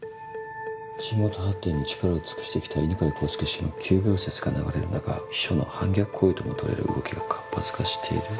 「地元発展に力を尽くしてきた犬飼孝介氏の急病説が流れる中秘書の反逆行為ともとれる動きが活発化している」？